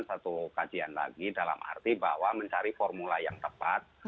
ini perlu dilakukan satu kajian lagi dalam arti bahwa mencari formula yang tepat